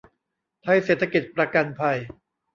ไทยเศรษฐกิจประกันภัย